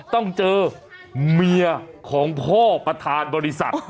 ต้องเจอเมียของพ่อประธานบริษัท